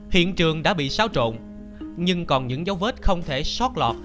hiện trường đã bị xáo trộn nhưng còn những dấu vết không thể sót lọt